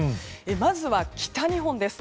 まずは北日本です。